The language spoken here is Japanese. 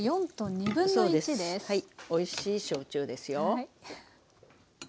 おいしい焼酎ですよ。